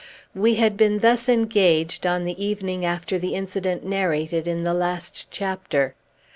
We had been thus engaged on the evening after the incident narrated in the last chapter.